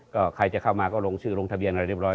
ก็ใครจะเข้ามาก็ลงชื่อลงทะเบียนอะไรเรียบร้อ